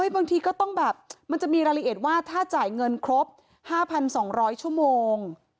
บางทีก็ต้องแบบมันจะมีรายละเอียดว่าถ้าจ่ายเงินครบ๕๒๐๐ชั่วโมง